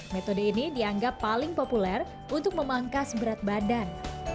metode ini dianggap paling populer untuk memangkas berat badan